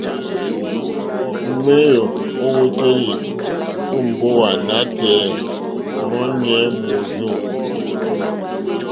Ŋwéyò mówǒtélì ó mbówà nǎtɛ̀ɛ̀ mɔ́nɛ̀yí mórzô.